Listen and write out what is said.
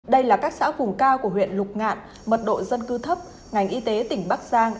đây là các xã vùng cao của huyện lục ngạn mật độ dân cư thấp ngành y tế tỉnh bắc giang